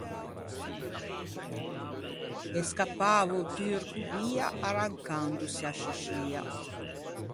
E scappava o Turco via, arrancandose a sciscia.